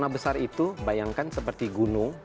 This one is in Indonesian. lima besar itu bayangkan seperti gunung